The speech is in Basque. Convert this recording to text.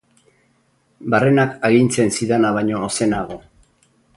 Barrenak agintzen zidana baino ozenago.